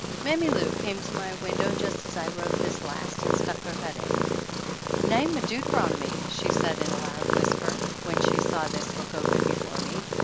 Mammy Lou came to my window just as I wrote this last and stuck her head in. "Name o' Deuteronomy!" she said in a loud whisper when she saw this book open before me.